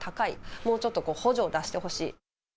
もうちょっと補助を出してほしい。